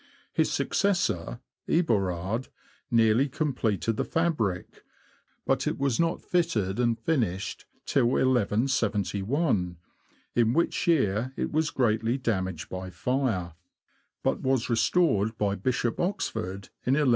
His successor, Eborard, nearly completed the fabric; but it was not fitted and finished till 1171, in which year it was greatly damaged by fire, but was restored by Bishop Oxford in 1197.